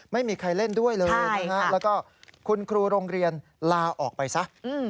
ไม่มีใครเล่นด้วยเลยนะฮะแล้วก็คุณครูโรงเรียนลาออกไปซะ